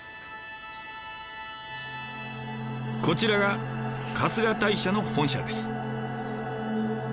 こちらが春日大社の本社です。